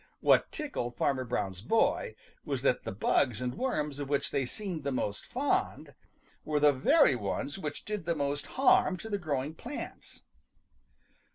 What tickled Farmer Brown's boy was that the bugs and worms of which they seemed the most fond were the very ones which did the most harm to the growing plants.